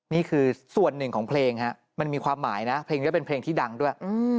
นี่คือส่วนหนึ่งของเพลงฮะมันมีความหมายนะเพลงนี้เป็นเพลงที่ดังด้วย